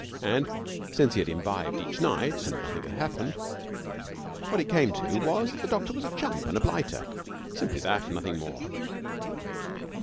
And since then he had imbibed each night, and nothing had happened. What it came to was that the doctor was a chump and a blighter. Simply that and nothing more.